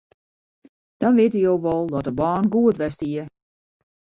Dan witte je wol dat de bân goed west hie.